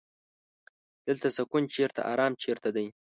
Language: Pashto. دلته سکون چرته ارام چرته دی.